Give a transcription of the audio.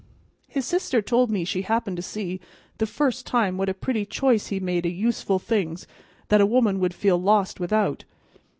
His sister told me she happened to see, the first time, what a pretty choice he made o' useful things that a woman would feel lost without.